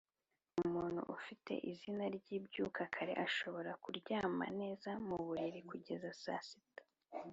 umuntu ufite izina ryibyuka kare arashobora kuryama neza muburiri kugeza saa sita